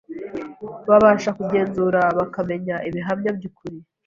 babasha kugenzura bakamenya ibihamya by’ukuri